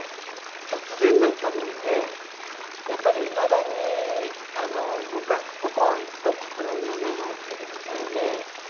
突然だったものでやっぱりいまだにどこかポコーンと心に穴が開いているみたいで。